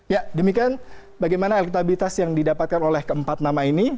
ya demikian bagaimana elektabilitas yang didapatkan oleh keempat nama ini